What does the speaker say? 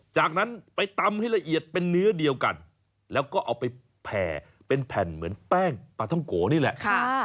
จากนั้นไปตำให้ละเอียดเป็นเนื้อเดียวกันแล้วก็เอาไปแผ่เป็นแผ่นเหมือนแป้งปลาท่องโกนี่แหละ